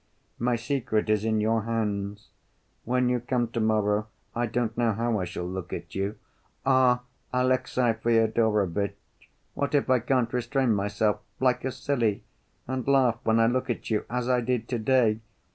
"My secret is in your hands. When you come to‐morrow, I don't know how I shall look at you. Ah, Alexey Fyodorovitch, what if I can't restrain myself like a silly and laugh when I look at you as I did to‐day.